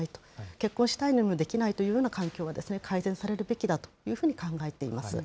結婚したいのにできないというような環境は改善されるべきだというふうに考えています。